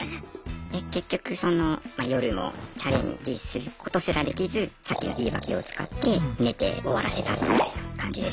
で結局その夜もチャレンジすることすらできずさっきの言い訳を使って寝て終わらせたみたいな感じでしたね。